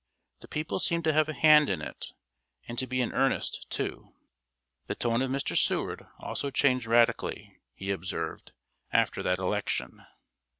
The people seem to have a hand in it, and to be in earnest, too." The tone of Mr. Seward also changed radically, he observed, after that election.